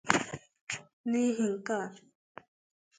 N'ihi nke a